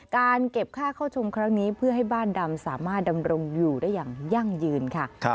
การเก็บค่าเข้าชมครั้งนี้เพื่อให้บ้านดำสามารถดำรงอยู่ได้อย่างยั่งยืนค่ะ